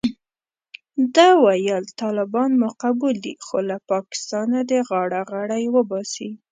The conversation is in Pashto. ده ویل طالبان مو قبول دي خو له پاکستانه دې غاړه غړۍ وباسي.